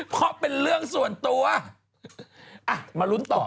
เพราะเป็นเรื่องส่วนตัวอ่ะมาลุ้นต่อ